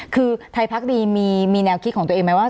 คือไทยพักดีมีแนวคิดของตัวเองไหมว่า